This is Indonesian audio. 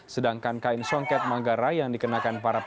sedangkan kain songket manggarai yang dikenakan adalah kain yang berwarna hitam